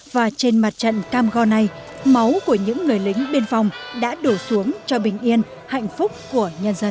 và trên mặt trận cam go này máu của những người lính biên phòng đã đổ xuống cho bình yên hạnh phúc của nhân dân